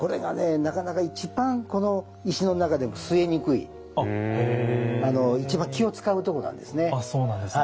なかなか一番この石の中でも据えにくい一番気を遣うとこなんですね。